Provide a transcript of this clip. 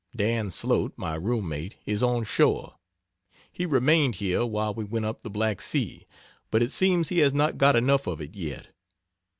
Dan Slote, my room mate, is on shore. He remained here while we went up the Black Sea, but it seems he has not got enough of it yet.